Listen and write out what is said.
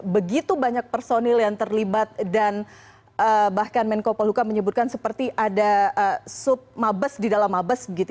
begitu banyak personil yang terlibat dan bahkan menko polhuka menyebutkan seperti ada sub mabes di dalam mabes